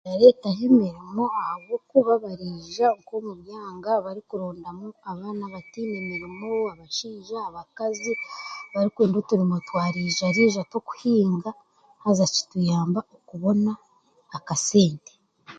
Birareetaho emirimo ahabwokuba bariija nk'omu byanga barikurondamu abaana abataine mirimo, abashaija, abakazi, barikuronda oturimo twa riija-riija tw'okuhinga haza kituyamba okubona akasente.